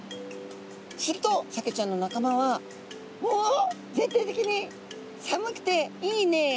するとサケちゃんの仲間は「おお！全体的に寒くていいね。